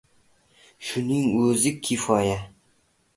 Shuning o‘zi kifoya.